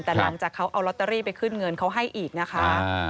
แต่หลังจากเขาเอาลอตเตอรี่ไปขึ้นเงินเขาให้อีกนะคะ